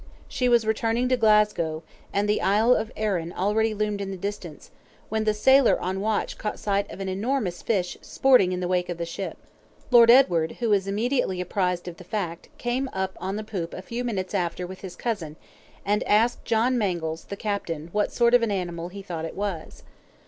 She was returning to Glasgow, and the Isle of Arran already loomed in the distance, when the sailor on watch caught sight of an enormous fish sporting in the wake of the ship. Lord Edward, who was immediately apprised of the fact, came up on the poop a few minutes after with his cousin, and asked John Mangles, the captain, what sort of an animal he thought it was.